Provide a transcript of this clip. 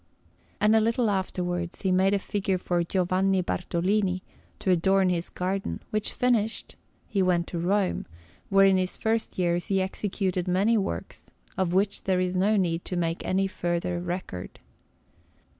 And a little afterwards he made a figure for Giovanni Bartolini, to adorn his garden; which finished, he went to Rome, where in his first years he executed many works, of which there is no need to make any further record.